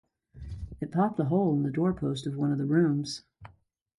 It popped a hole in the doorpost of one of the rooms.